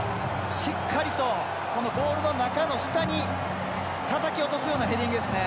しっかりとゴールの中の下にたたき落とすようなヘディングですよね。